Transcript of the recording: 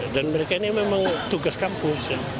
dan mereka ini memang tugas kampus